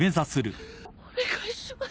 お願いします。